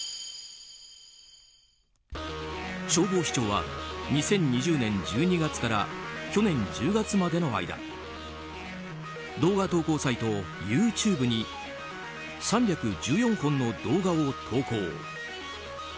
消防士長は２０２０年１２月から去年１０月までの間動画投稿サイトＹｏｕＴｕｂｅに３１４本の動画を投稿。